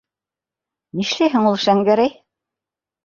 Нишләйһең ул, Шәңгәрәй?